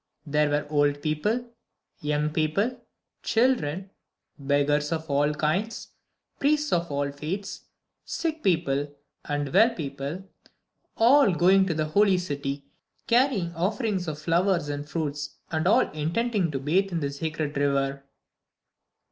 There were old people, young people, children, beggars of all kinds, priests of all faiths, sick people and well people, all going to the "Holy City" carrying offerings of flowers and fruits, and all intending to bathe in the Sacred River.